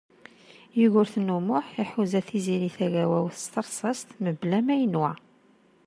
Yugurten U Muḥ iḥuza Tiziri Tagawawt s teṛsast mebla ma yenwa.